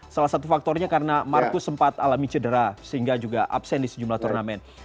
salah satu faktornya karena marcus sempat alami cedera sehingga juga absen di sejumlah turnamen